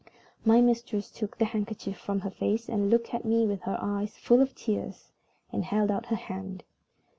My mistress took the handkerchief from her face, looked at me with her eyes full of tears, and held out her hand.